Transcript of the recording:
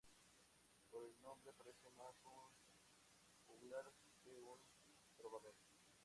Por el nombre, parece más un juglar que un trovador.